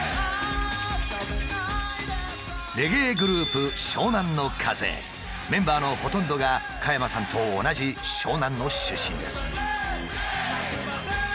レゲエグループメンバーのほとんどが加山さんと同じ湘南の出身です。